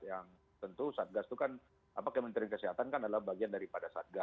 yang tentu satgas itu kan kementerian kesehatan kan adalah bagian daripada satgas